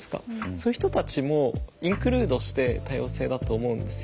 そういう人たちもインクルードして多様性だと思うんですよ。